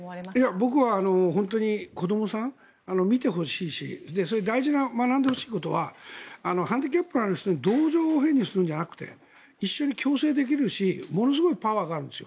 僕は本当に子どもさん、見てほしいしそれで大事な学んでほしいことはハンディキャップがある人に同情を変にするのではなくて一緒に共生できるしものすごいパワーがあるんですよ。